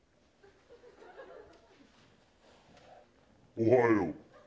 おはよう。